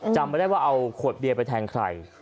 จำไม่ได้ว่าเอาขวดเบียร์ไปแทงใคร